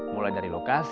mulai dari lokas